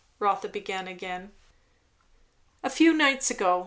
Rotha began again. "A few nights ago.